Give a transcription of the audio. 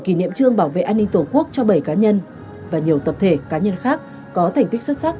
kỷ niệm trương bảo vệ an ninh tổ quốc cho bảy cá nhân và nhiều tập thể cá nhân khác có thành tích xuất sắc